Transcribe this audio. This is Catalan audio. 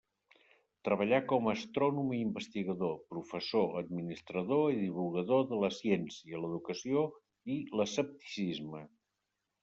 Treballà com astrònom investigador, professor, administrador i divulgador de la ciència, l'educació i l'escepticisme.